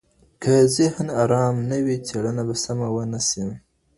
که ذهن ارام نه وي څېړنه به سمه ونه سي.